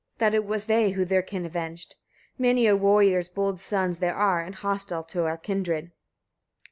that it was they, who their kin avenged? Many a warrior's bold sons there are, and hostile to our kindred.